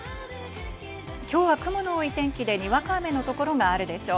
今日は雲の多い天気で、にわか雨の所があるでしょう。